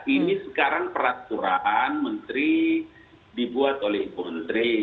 ini sekarang peraturan menteri dibuat oleh ibu menteri